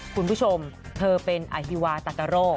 คุณผู้ชมเธอเป็นอฮิวาตากะโร่